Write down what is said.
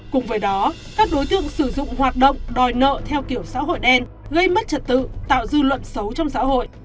cùng với đó các đối tượng sử dụng hoạt động đòi nợ theo kiểu xã hội đen gây mất trật tự tạo dư luận xấu trong xã hội